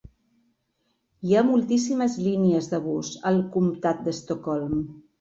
Hi ha moltíssimes línies de bus al comtat d'Estocolm.